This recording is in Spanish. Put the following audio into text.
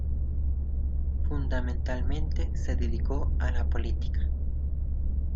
Fundamentalmente se dedicó a la política.